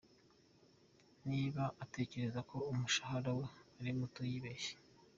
Niba atekereza ko umushahara we ari muto yibeshye.